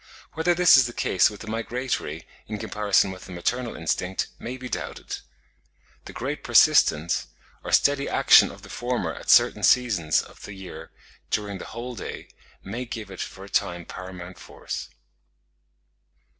Whether this is the case with the migratory in comparison with the maternal instinct, may be doubted. The great persistence, or steady action of the former at certain seasons of the year during the whole day, may give it for a time paramount force.